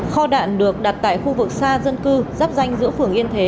kho đạn được đặt tại khu vực xa dân cư giáp danh giữa phường yên thế